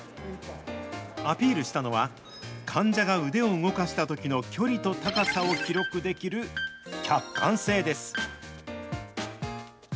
アピールしたのは、患者が腕を動かしたときの距離と高さを記録できる客観性です。